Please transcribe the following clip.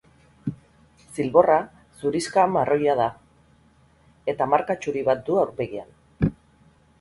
Zilborra zurixka-marroia da eta marka txuri bat du aurpegian.